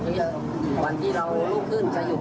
เราออกสร้างเนี่ยมุมขึ้นถ้าเป็นวันหยุด